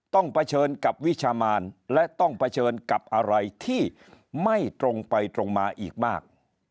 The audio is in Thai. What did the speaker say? เผชิญกับวิชามานและต้องเผชิญกับอะไรที่ไม่ตรงไปตรงมาอีกมาก